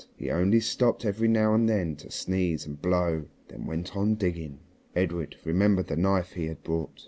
He only stopped every now and then to sneeze and blow, and then went on digging. Edred remembered the knife he had brought.